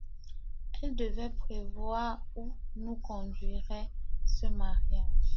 Elle devait prévoir où nous conduirait ce mariage.